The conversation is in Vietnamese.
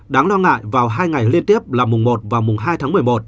đáng lo ngại vào hai ngày liên tiếp là mùng một và mùng hai tháng một mươi một